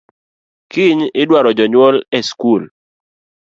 Kiny idwaro jonyuol e school